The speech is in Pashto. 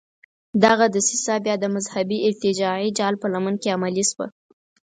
دغه دسیسه بیا د مذهبي ارتجاعي جال په لمن کې عملي شوه.